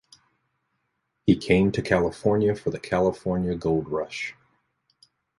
He came to California for the California Gold Rush.